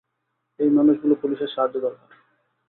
এই মানুষগুলো পুলিশের সাহায্য দরকার।